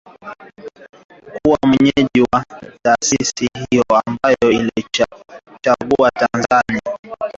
kuwa mwenyeji wa taasisi hiyo ambayo iliichagua Tanzania